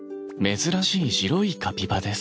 珍しい白いカピバラです